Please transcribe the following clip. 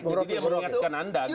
jadi dia mengingatkan anda gitu